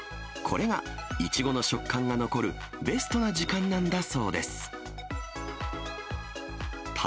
これがイチゴの食感が残るベストな時間なんだそうです。